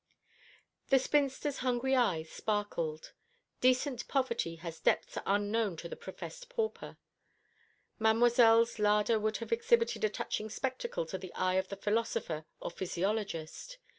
The spinster's hungry eyes sparkled. Decent poverty has depths unknown to the professed pauper. Mademoiselle's larder would have exhibited a touching spectacle to the eye of the philosopher or physiologist.